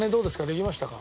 できましたか？